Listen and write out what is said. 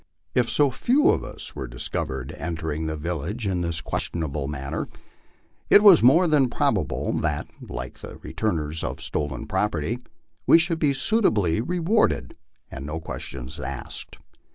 If so few of us were discovered entering the village in this questionable manner, it was more than probable that, like the returners of stolen property, we should be suitably rewarded and no ques tions asked.